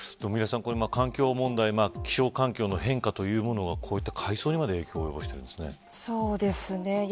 環境問題、気象環境の変化というものがこういった海藻にも影響を及ぼしているんですね。